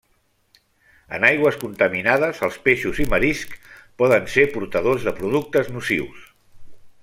En aigües contaminades els peixos i mariscs poden ser portadors de productes nocius.